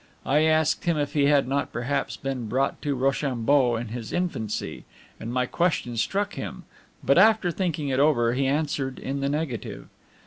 I asked him if he had not perhaps been brought to Rochambeau in his infancy, and my question struck him; but after thinking it over, he answered in the negative.